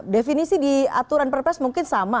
definisi di aturan perpres mungkin sama